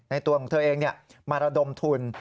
ตัวของเธอเองมาระดมทุน